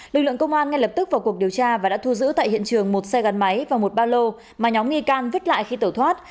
lực lượng công an ngay lập tức vào cuộc điều tra và đã thu giữ tại hiện trường một xe gắn máy và một ba lô mà nhóm nghi can vứt lại khi tẩu thoát